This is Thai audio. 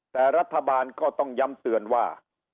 แต่รัฐบาลก็ต้องย้ำเตือนว่า